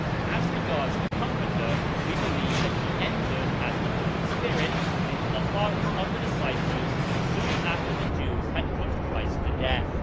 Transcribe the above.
As regards the Comforter, we believe that he entered as the Holy Spirit into the hearts of the disciples soon after the Jews had put Christ to death.